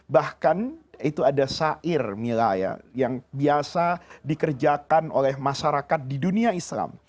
bahkan itu ada sair mila ya yang biasa dikerjakan oleh masyarakat di dunia islam